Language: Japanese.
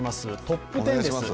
トップ１０です。